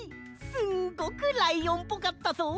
すごくライオンっぽかったぞ！